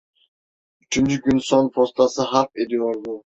Üçüncü gün son postası harp ediyordu.